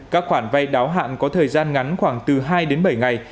các khoản vay đáo hạn có thời gian ngắn khoảng từ hai đến bảy ngày